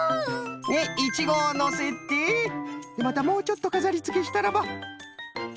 でイチゴをのせてまたもうちょっとかざりつけしたらば。